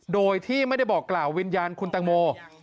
โดยที่ไม่ได้บอกกล่าววิญญาณคุณตังโม